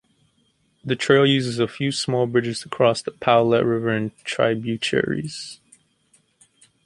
The trail uses a few small bridges to cross the Powlett River and tributaries.